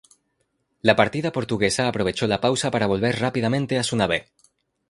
La partida portuguesa aprovechó la pausa para volver rápidamente a su nave.